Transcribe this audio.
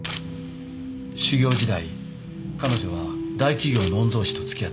修業時代彼女は大企業の御曹司と付き合っていた。